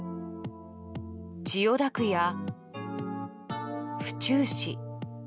千代田区や府中市。